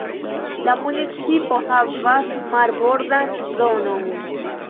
La municipo havas marbordan zonon.